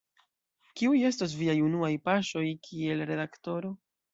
Kiuj estos viaj unuaj paŝoj kiel redaktoro?